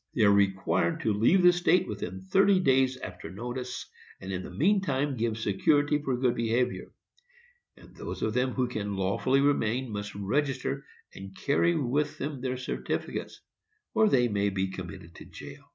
They are required to leave the state within thirty days after notice, and in the mean time give security for good behavior; and those of them who can lawfully remain must register and carry with them their certificates, or they may be committed to jail.